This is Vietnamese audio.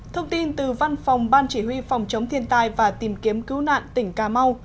thông tin từ văn phòng ban chỉ huy phòng chống thiên tai và tìm kiếm cứu nạn tỉnh cà mau